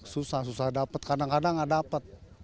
susah susah dapet kadang kadang gak dapet